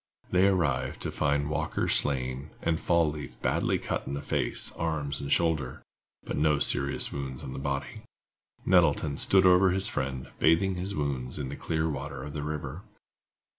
They arrived to find Walker slain, and Fall leaf badly cut in the face, arms and shoulders, but no serious wounds on the body. Nettleton stood over his friend, bathing his wounds in the clear waters of the river.